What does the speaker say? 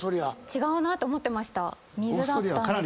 違うなって思ってました。